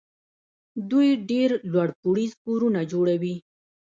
دوی ډېر لوړ پوړیز کورونه جوړوي.